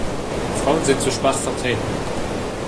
Frauen sind zu schwach vertreten.